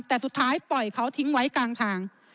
แต่สุดท้ายปล่อยเขาทิ้งไว้กลางทาง